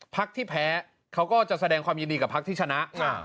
พักที่แพ้เขาก็จะแสดงความยินดีกับพักที่ชนะ